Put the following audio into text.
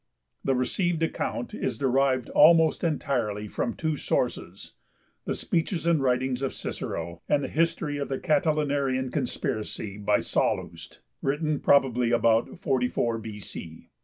The received account is derived almost entirely from two sources; the speeches and writings of Cicero; and the 'History of the Catilinarian Conspiracy' by Sallust, written probably about 44 B.C.